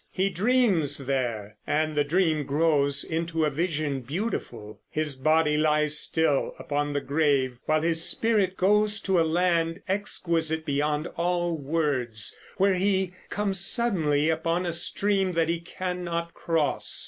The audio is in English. He dreams there, and the dream grows into a vision beautiful. His body lies still upon the grave while his spirit goes to a land, exquisite beyond all words, where he comes suddenly upon a stream that he cannot cross.